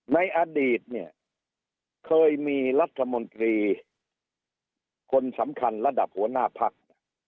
ในอดีตเนี่ยเคยมีรัฐมนตรีคนสำคัญระดับหัวหน้าพัก